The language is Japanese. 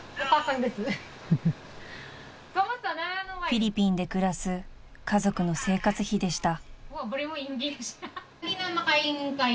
［フィリピンで暮らす家族の生活費でした］